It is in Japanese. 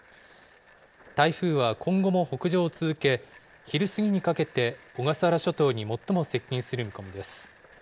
台風は今後も北上を続け、昼過ぎにかけて小笠原諸島に最も接近する見込みです。